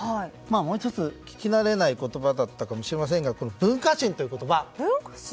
もう１つ、聞き慣れない言葉だったかもしれませんが文化人という言葉。